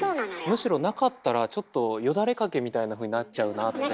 むしろなかったらちょっとよだれ掛けみたいなふうになっちゃうなって。